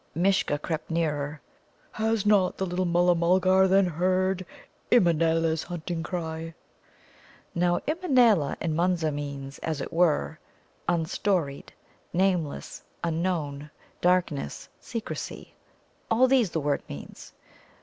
Mishcha crept nearer. "Has not the little Mulla mulgar, then, heard Immanâla's hunting cry?" Now, Immanâla in Munza means, as it were, unstoried, nameless, unknown, darkness, secrecy. All these the word means.